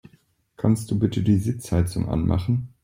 Kannst du bitte die Sitzheizung anmachen?